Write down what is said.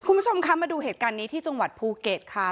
คุณผู้ชมคะมาดูเหตุการณ์นี้ที่จังหวัดภูเก็ตค่ะ